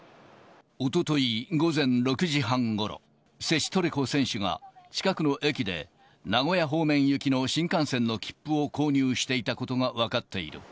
おととい午前６時半ごろ、セチトレコ選手が近くの駅で名古屋方面行きの新幹線の切符を購入していたことが分かっている。